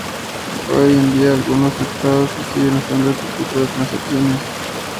Hoy en día, en algunos mercados se siguen usando este tipo de transacciones.